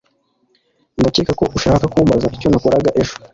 Ndakeka ko ushaka kumbaza icyo nakoraga ejo